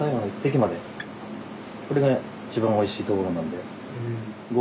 これが一番おいしいところなんで。